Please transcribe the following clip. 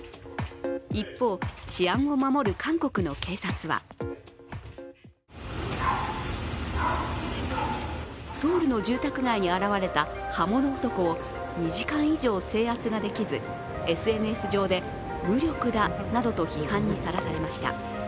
一方、治安を守る韓国の警察はソウルの住宅街に現れた刃物男を２時間以上制圧ができずＳＮＳ上で無力だなどと批判にさらされました。